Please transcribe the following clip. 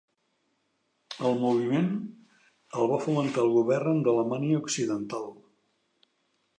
El moviment el va fomentar el govern d'Alemanya Occidental.